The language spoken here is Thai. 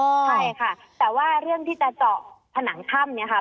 ใช่ค่ะแต่ว่าเรื่องที่จะเจาะผนังถ้ำเนี่ยค่ะ